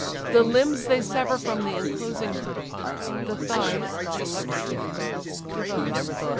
The limbs they sever from the inclosing hide, The thighs, selected to the gods, divide.